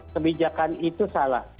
kebijakan itu salah